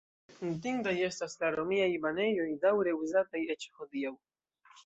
Notindaj estas la romiaj banejoj, daŭre uzataj eĉ hodiaŭ.